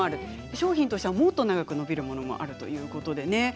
商品としてはもっと長く伸びるものもあるということです。